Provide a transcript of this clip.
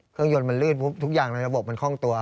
เครื่องยนต์มันลื่นปุ๊บทุกอย่างในระบบมันคล่องตัว